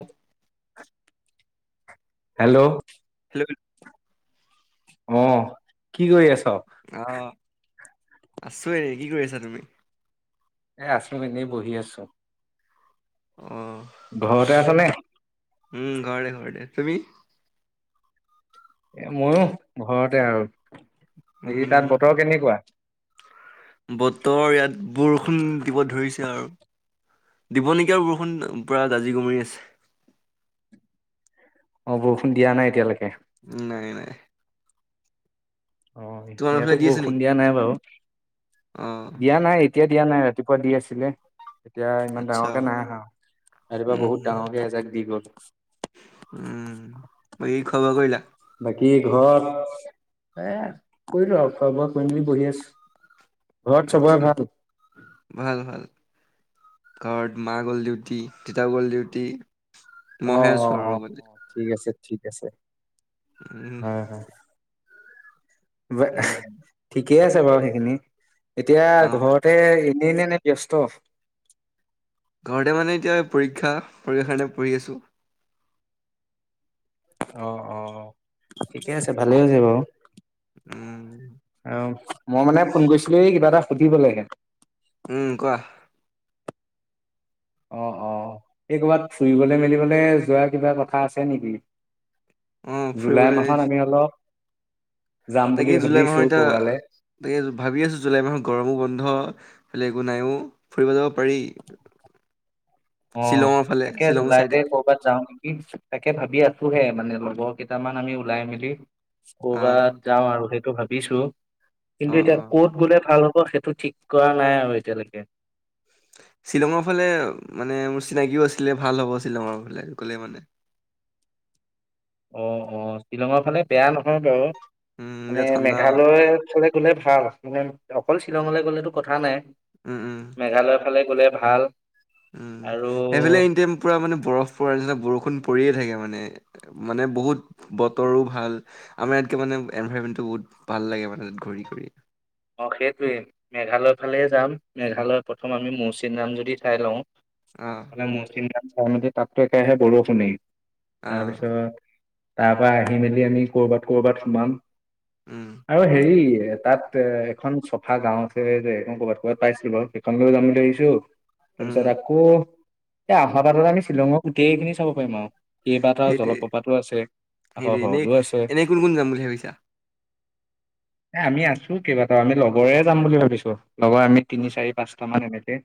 ওফ [unintelligible] hello তে অ কি কৰি আছ আহ আছোৱে, কি কৰি আছা তুমি? এ আছো, এনেই বহি আছো। অ', ঘৰতে আছা নে? উম ঘৰতে-ঘৰতে, তুমি? এ ময়ো, ঘৰতে আৰু। নেকি, উম, তাত বতৰ কেনেকুৱা? বতৰ, ইয়াত বৰষুণ দিব ধৰিছে আৰু। দিব নিকি আৰু বৰষুণ, পুৰা দাজি-গমৰি আছে। অ, বৰষুণ দিয়া নাই এতিয়ালৈকে। নাই, নাই। অ' তোমালোকৰ ফালে ইয়াতো দি আছে বৰষুণ নেকি? দিয়া নাই বাৰু, অ', দিয়া নাই এতিয়া দিয়া নাই ৰাতিপুৱা দি আছিলে। এতিয়া ইমান আচ্ছা ডাঙৰকে নাই আহা, ৰাতিপুৱা উম, বহুত ডাঙৰ কে এজাক দি গ'ল। [inaudible] উম, মই এই খোৱা-বোৱা কৰিলা? বাকী [inaudible] এ, কৰিলো আৰু, খোৱা-বোৱা কৰি মেলি বহি আছো ঘৰত চবৰে আচ্ছা, ভাল ভাল-ভাল। ঘৰত মা গ'ল ডিউটি, দেউতা গ'ল ডিউটি। অ মইহে অ আছো আৰু অ অকলে। অ ঠিক আছে ঠিক আছে। উম, হয়, হয়। [unintelligible] ঠিক উম, ঠিকেই আছে বাৰু সেইখিনি। এতিয়া অ', ঘৰতে [unintelligible] নে নে ব্যস্ত ঘৰতে মানে এতিয়া পৰীক্ষা, [unintelligible] পঢ়ি আছো। অ অ ঠিকে আছে, ভালেই হৈছে বাৰু। উম, আহ, মই মানে ফোন কৰিছিলো এই কিবা এটা সুধিব লাগে উম, কোৱা। অ অ, এই কৰ'বাত ফুৰিবলৈ-মেলিবলৈ যোৱা, কিবা কথা আছে নেকি? অ', জুলাই ফুৰিবলৈ মাহত আমি অলপ যাম বুলি তাকে জুলাই ভাবিছো মাহৰ কৰবালে এতিয়া, তাকে ভাবি আছো জুলাই মাহত গৰমৰ বন্ধ বোলে একো নাই অ ', ফুৰি যাব পাৰি। অ', শ্বিলঙৰ ফালে তাকে শ্বিলং চাইডে জুলাইতে কৰ'বাত যাও নেকি তাকে ভাবি আছো। ফুৰে মানে লগৰ কেইটামান আমি ওলাই মেলি, অ', কৰ'বাত যাওঁ আৰু সেই, টো ভাবিছো। কিন্তু অ', এতিয়া অ'। ক'ত গলে ভাল হব, অ', সেইটো ঠিক কৰা নাই আৰু এতিয়ালৈকে, শ্বিলঙৰ ফালে মানে মোৰ চিনাকিও আছিলে ভাল হ'ব শ্বিলঙৰ ফালে গলে মানে, অহ ', অহ ', শ্বিলঙৰ ফালে বেয়া নহয় বাৰু উম, মানে এতিয়া ঠাণ্ডা মেঘালয় একচুলি গলে ভাল মানে অকল, শ্বিলঙলৈ গ'লেতো কথা নাই। উম', - উম ', মেঘালয়ৰ ফালে গ'লে ভাল। উম', আৰু সেইফালে এনিতাইম পুৰা মানে বৰফ পৰ নিচিনা বৰষুণ, পৰিয়ে থাকে মানে, মানে বহুত বতৰো ভাল, আমাৰ ইয়াতকৈ মানে এনভাইৰমেণ্টটো বহুত ভাল লাগে মানে, তাত ঘূৰি ফূৰি। অ, সেইটোৱেই, মেঘালয় ফালেই যাম, মেঘালয়ত প্ৰথম আমি মৌছিনৰাম যদি চাই লওঁ, অ', মানে মৌছিমৰাম, [unintelligible] তাতকৈহে বৰষুণে, অ', তাৰপিছত, তাৰ পৰা আহি মেলি আমি কৰ'বাত- কৰ'বাত সোমাঁম। উম, আৰু হেৰি তাত, এ', এখন চফা গাঁও আছে যে ক'বাত -ক'বাত পাইছিলো, সেইখন গাঁও যাম বুলি ভাবিছো। উম, তাৰপিছত আকৌ, এ ', আহা বাৰত আমি শ্বিলঙক গোটেই খিনি চাব পাৰিম আৰু। কেইবাটাও সেইটোৱে। জলপ্ৰপাতো আছে, আকৌ সেইটোৱে এনেই হ্ৰদো আছে। এনেই কোন কোন যাম বুলি ভাবিছা এ, আমি আছো, কেইবাটাও আমি লগৰে যাম বুলি ভাবিছো, লগৰ আমি তিনি, চাৰি, পাঁচটা মান এনেকে।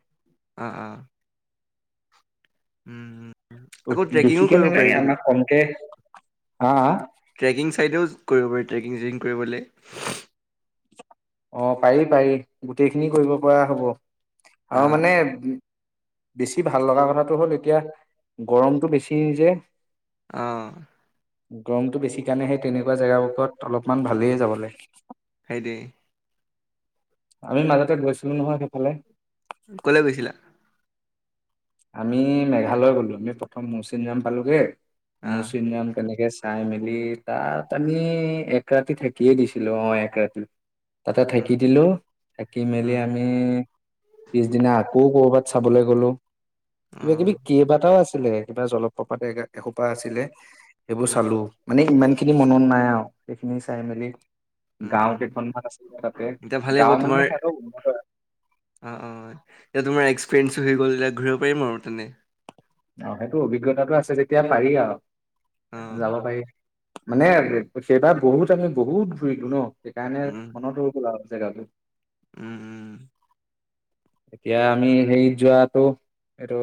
আঃ - আঃ উম, ' উম', বেছিকে নালাগে আমাক কমকে, হা- হা। ট্ৰেকিং চাইদেও কৰিব পাৰি ট্ৰেকিং -জিং। কৰিবলে, অ, 'পাৰি -পাৰি, গোটেইখিনি কৰিব পৰা হ'ব। অ, মানে, বেছি ভাল লগা কথাটো হ'ল এতিয়া, গৰমটো বেছি যে। অ। গৰমতটো বেছি কাৰণে সেই তেনেকুৱা জেগাবোৰত অলপমান ভালেই যাবলে। [unintelligible] আমি মাজতে গৈছিলোঁ নহয় সেইফালে। ক'লৈ গৈছিলা? আমি মেঘালয় গ'লো, আমি প্ৰথম মৌছিনৰাম পালোগে। অ মৌছিনৰাম তেনেকে চাই মেলি তাত আমি এক ৰাতি থাকিয়ে দিছিলো, অ, এক ৰাতি। তাতে উম থাকি দিলো। থাকি মেলি উম আমি, পিছদিনা আকৌ কৰ'বাত চাবলৈ গ'লোঁ। অ কিবা কিবি কেবাতাও আছ লৈ, কিবা জলপ্ৰপাত এ এসোপা আছিলে। সেইবোৰ উম চালোঁ, মানে ইমান সেইখিনি মনত নাই আও, সেইখিনি চাই মেলি উম গাঁও উম কেইখনমান আছিলে তাতে, এতিয়া ভালেই হ'ব গাঁও মানে তোমাৰ হেত উন্নত হয়। অ অ এতিয়া তোমাৰ এক্সপেৰিয়েঞ্চো হৈ গ'ল যে এতিয়া ঘূৰিব পাৰিম আও তেনে। অ সেইটো অভিজ্ঞতাটো আছে তেতিয়া পাৰি আও। অ যাব পাৰি। মানে সেইবাৰ বহুত আমি বহুত ঘুৰিলো ন' সেইকাৰণে উম মনটো খুলা হল। টো [unintelligible] উম উম। এতিয়া আমি হেৰিত যোৱাটো, এইটো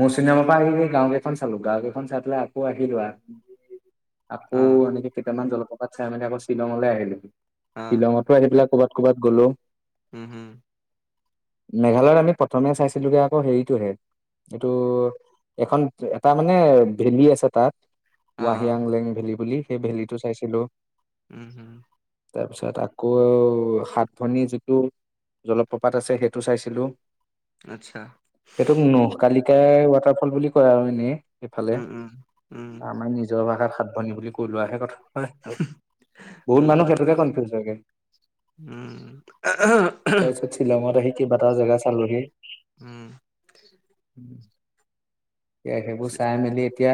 মোৰ চিনেমা পৰা আহি গাও কেইখন চালো। গাও কেইখন চাই পেলাই আকৌ আহিলো আও আকৌ অ এনেকে কেটামান জ ককাক চাই মেলি আকৌ শ্বিলঙলৈ আহিলো। অ শ্বিলঙতো আহি পেলাই ক কবাত গ'লো। উম হম। মেঘালয়ত আমি প্ৰথমে চাইছিলো গে আকৌ হেৰিটোহে, এইটো এখন এটা মানে ভেলী আছে তাত। অ অ ৱাহি আংলেং ভেলি বুলি। সেই ভেলীটো চাইছিলো। উম হম। তাৰপিছত আকৌ সাত ভনী যিটো জলপ্ৰপাত আছে সেইটো চাইছিলো। আচ্ছা সেইটো ন কালি কে ৱাটাৰফল বুলি কয় আৰু এনেই। ইফালে উম উম উম আমাৰ নিজৰ ভাষাৰ সাধ মানি বুলি কৈ লোৱাহে কথা। [unintelligible] বহুত উম মানুহ সেইটোতে কনফিউজ হয়েগে। উম উম তাৰপিছত মই [unintelligible] কেইবাটাও জেগা চালোগে। উম [unintelligible] এ সেইবোৰ চাই মেলি এতিয়া,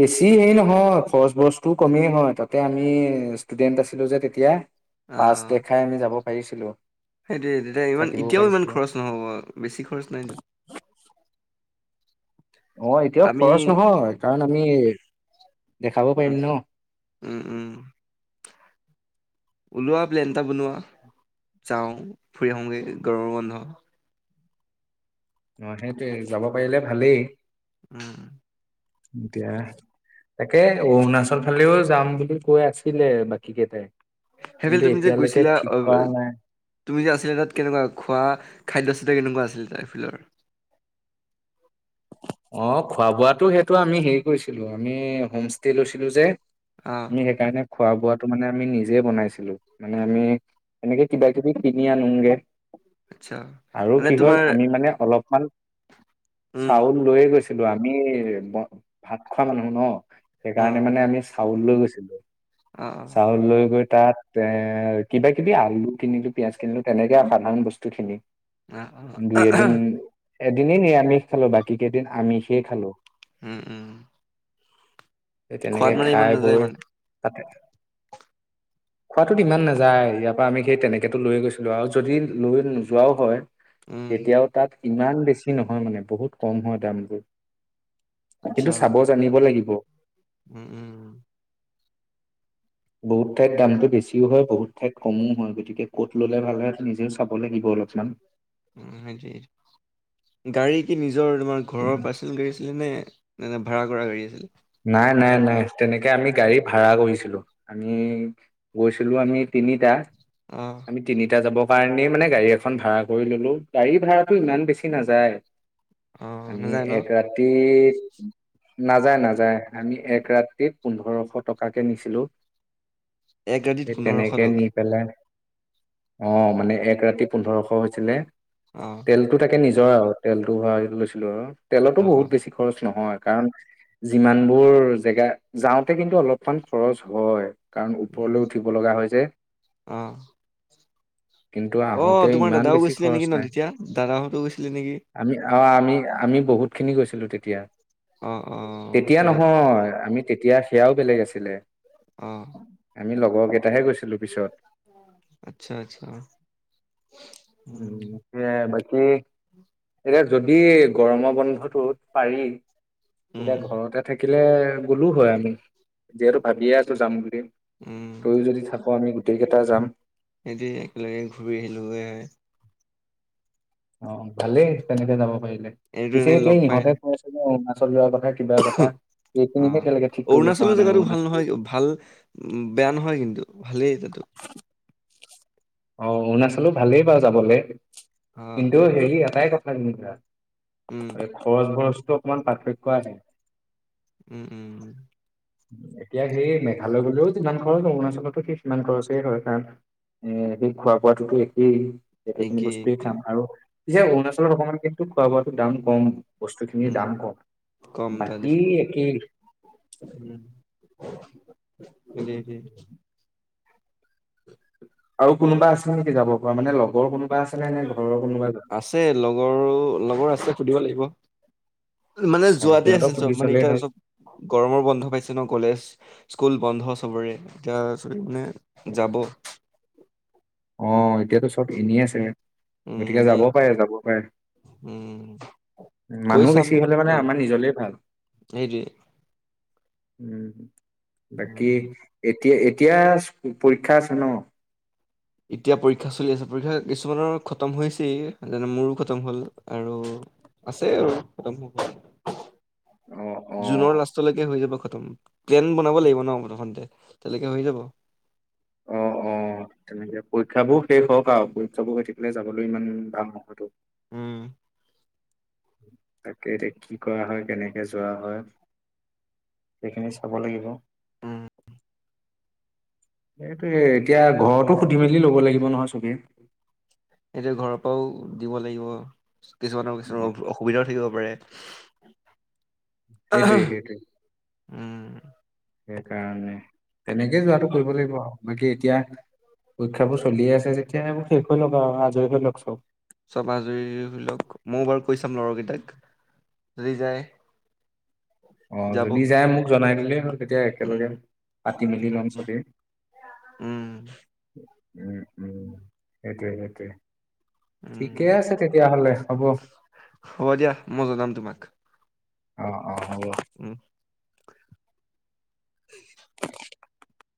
বেছি হেৰি নহয় খৰচ-বৰচ টো কমেই হয় তাতে আমি ষ্টুডেন্ট আছিলো যে তেতিয়া। পাচ দেখাই আমি যাব আহিছিলো। সেইটোৱে তেতিয়া ইমান, এতিয়াও ইমান খৰচ নহ'ব বেছি খৰচ নাই না অ' এতিয়াও আমি খৰচ নহয়। কাৰণ আমি দেখাব পাৰিম উম, ন অ উম উম। ওলোৱা প্লেন এটা বনোৱা, যাওঁ, ফুৰি আহোগে গৰমৰ বন্ধ। অ' সেইটোৱে যাব পাৰিলে ভালেই। উম। এতিয়া, তাকেই অৰুণাচল ফালেও যাম বুলি কৈ আছিলে বাকী কেইটাই। [unintelligible] কিন্তু তুমি যে এতিয়ালৈকে গৈছিলা, ঠিক কৰা নাই [unintelligible] তুমি যে আছিলা তাত কেনেকুৱা খোৱা খাদ্য [unintelligible] কেনেকুৱা আছিল, তাইফিলৰ? অ', খোৱা-বোৱাতটো সেইটো আমি হেৰি কৰিছিলো আমি হোমষ্টে লৈছিলো যে। অ [unintelligible] কাৰণে খোৱা বোৱাটো মানে আমি নিজে বনাইছিলো, মানে আমি এনেকে কিবা-কিবি কিনি আনোগে। আচ্ছা আৰু মানে কি হ'ল তোমাৰ আমি মানে অলপ [inaudible] উম চাউল লৈয়ে গৈছ [unintelligible] আমি ভাত খোৱা মানুহ ন'। অ সেইকাৰণে মানে আমি চাউল লৈ গৈছিলো। অ চাউল লৈ গৈ তাত এ কিবা কিবি আলু কিনিলো, পিয়াজ কিনিলো, তেনেকে সাধাৰণ বস্তুখিনি আহ্ আহ্। এদিনে নিৰামিষ খালো বাকী কেইদিন আমিষেই খালো। উম, উম। সেই তেনেকে, খোৱাত মানে ইমান খাই নাযায় বৈ মানে তা খোৱাটোত ইমান নাযায়, ইয়াৰ পৰা আমি সেই তেনেকেতো লৈ গৈছিলো আৰু যদি লৈ নোযোৱাও হয় উম তেতিয়াও তাত ইমান বেছি নহয় মানে। বহুত কম হয় দামবোৰ। আচ্ছা কিন্তু চাব জানিব লাগিব। উম, উম, উ। বহুত ঠাইত দামটো বেছিও হয়, বহুত ঠাইত কমো হয়, গতিকে ক'ত ল'লে ভাল হয়। নিজেও চাব লাগিব অলপমান। উ, সেইটোৱ গাড়ী কি নিজ নিজৰ তোমাৰ ঘৰৰ পাৰ্চেনেল গাড়ী আছিলে নে নানে ভড়া কৰা গাড়ী আছিল। নাই, নাই, নাই, তেনেকে আমি গাড়ী ভাড়া কৰিছিলো। আমি গৈছিলো আমি তিনিটা। অ', আমি তিনিটা যাব [unintelligible] মানে গাড়ী এখন ভাড়া কৰি ললো। গাড়ী ভাড়াটো ইমান বেছি নাযায়। অ', আমি নাযায় ন' এক ৰাতি নাযায়, নাযায়। য আমি এক ৰাতি্ৰ পোন্ধৰশ টকাকে নিছিলো। এক গাড়ীত সেই পোন্ধৰশ তেনেকেই টকা নি পেলাই। অ, মানে এক ৰাতি পোন্ধৰশ হৈছিলে। অ', তেলটো তাকে নিজ অ' আৰু তেলটো ভৰাই লৈছিলো, অ' তেলতো অ', বহুত অ', বেছি খৰচ নহয়, কাৰণ যিমানবোৰ জেগা, যাওঁতে কিন্তু অলপমান খৰচ হয়। কাৰণ উম, ওপৰলৈও উঠিব লগা হয় যে, অ', কিন্তু আহোতে অ', তোমাৰ ইমান দাদাও বেছি গৈছিলে খৰচ নেকি ন' নাই, তেতিয়া দাদাহঁতো গৈছিলে নেকি? আমি আৰু আমি আমি বহুত খিনি গৈছিলো, তেতিয়া অ' অ', তেতিয়া গম নহয়, আমি তেতিয়া সেয়াও বেলেগ আছিলে, অ' আমি লগৰ কে এটাহে গৈছিলো পিছত, আচ্ছা, আচ্ছা, উ উম, সেইয়া বাকী এতিয়া যদি গৰমত বন্ধটোত পাৰি উম, তেতিয়া ঘৰতে থাকিলে গ'লো হয় আমি, যিহেতু ভাবিয়ে আছো যাম বুলি উম, তয়ও যদি থাক, আমি গোটেই কেইটা যাম। সেইটোৱ, একেলগে ঘূৰি আহিলোঁৱে হয়। অ' ভালেই তেনেকে যাব পাৰিলে। এনেতো পিছে এতিয়া ইহঁতে কৈছে ন, চব ল'ৰা গ'ল উমহ' অ ঠিক কৰিব অৰুণাচলৰ পৰা নাই জেগাটো ভাল অৰুণাচলো নহয় ভাল বেয়া নহয় কিন্তু ভালেই। যেটো অ' অৰুণাচলো ভালেই বাৰু যাবলে, অ', কিন্তু হেই এটাই ক [unintelligible] উম, আৰু খৰচ বৰচ টো অকমান পাৰ্থক্য আছে। উম উম উম এতিয়া সেই মেঘালয় গ'লেও যিমান খৰচ অৰুণাচলতো সেই ইমান খৰচেই হয়, কাৰণ এ সেই খোৱা বোৱাটোতো একেই। একেখিনি একেই বস্তুৱেই একে খাম, আৰু পিছে অৰুণাচলত অকণমান কিন্তু খোৱা বোৱাটো দাম কম, বস্তুখিনিৰ উম দাম কম, কম তই বাকী দেখিলে একেই। উলিয়াই দিয়ে। আৰু কোনোবা আছে নেকি যাব পৰা, মানে লগৰ কোনো আছে লগৰো, লগৰ আছে। সুধিব লাগিব। মানে অ যোৱাতে সিহঁতক আছিল সুধি চব, মানে চালেই এতিয়া হ'ল চব গৰমৰ বন্ধ পাইছে ন কলেজ স্কুল বন্ধ চবৰে এতিয়া চবে মানে যাব। অ', এতিয়াতো চব এনেই আছে। উম গতিকে যাব এনেই পাৰে, যাব পাৰে, উম কৈ মানুহ চাম বেছি হ'লে মানে যাব আমাৰ নিজলে ভাল। সেইটোৱে উম। বাকী এত উম এতিয়া, এতিয়া পৰীক্ষা আছে ন? এতিয়া পৰীক্ষা চলি আছে, পৰীক্ষা কিছুমানৰ খতম হৈছেই যেনে মোৰো খতম হ'ল আৰু আছে আৰু খতম হ'ব। অ অ জুনৰ লাষ্টলৈকে হৈ যাব খত একদম প্লেন বনাব লাগিব ন প্ৰথমতে তেতিয়ালৈকে হৈ যাব। অ' অ তেনেকে পৰীক্ষাবোৰ শেষ হওঁক আৱ পৰীক্ষাবোৰ হৈ থাকিলে যাবলৈ ইমান টান নহয় টো উম। তাকে এতিয়া কি কৰা হয়, কেনেকে যোৱা হয়, সেইখিনি চাব লাগিব উম এইটোৱেই, এতিয়া ঘৰতো সুধি মেলি ল'ব লাগিব নহয় চবেই। এতিয়া ঘৰৰ পৰাও দিব লাগিব। কিছুমানৰ অ কিছুমানৰ অসুবিধাও থাকিব পাৰে। সেইটোৱেই, সেইটোৱে। উম। সেইকাৰণে, তেনেকেই যোৱাটো কৰিব লাগিব আৱ বাকী এতিয়া চমাজৰিৰ ধৰি লওক ময়ো বাৰু কৈ চাম লৰকেইটাক যদি যায়। অ যাব যদি যায় মোক জনাই দিলেই হ'ল। তেতিয়া উম একেলগে পাতি মেলি লম উম সবেই। উম উম, উম, সেইটোৱে, সেইটোৱে। উম ঠিকে আছে তেতিয়াহলে হ'ব। হ'ব দিয়া মই জনাম তোমাক অ'। অ, হ'ব। উম [inaudible] [inaudible]